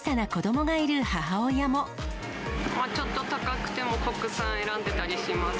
ちょっと高くても、国産選んでたりします。